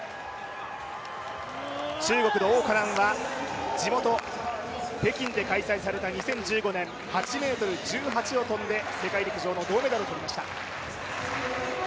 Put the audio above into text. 中国の王嘉男は地元・北京で開催された２０１５年８ｍ１８を跳んで世界陸上の銅メダルを取りました。